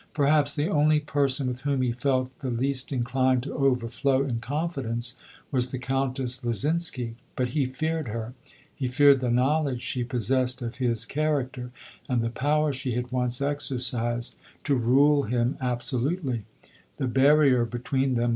Perhaps the only person with whom he felt the least inclined to overflow in confidence, was the Countess Lyzinski. But he feared her : he feared the knowledge she possessed of his cha racter, and the power she had once exercised to rule him absolutely ; the barrier between them LODORE.